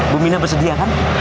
bu mirna bersedia kan